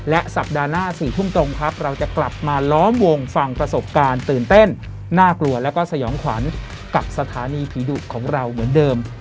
และสัปดาห์หน้า๔ทุ่มตรงครับเราจะกลับมาล้อมวงฟังประสบการณ์ตื่นเต้นน่ากลัวแล้วก็สยองขวัญกับสถานีผีดุของเราเหมือนเดิม